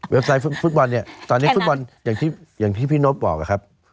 ไซต์ฟุตบอลเนี่ยตอนนี้ฟุตบอลอย่างที่พี่นบบอกอะครับ